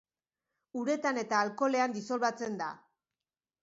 Uretan eta alkoholean disolbatzen da.